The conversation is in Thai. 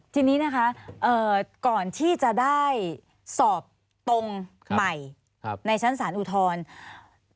ทีนี้นะคะก่อนที่จะได้สอบตรงใหม่ในชั้นศาลอุทธรณ์